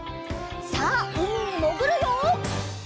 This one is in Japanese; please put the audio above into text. さあうみにもぐるよ！